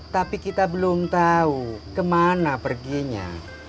tapi kita belum tahu kemana perginya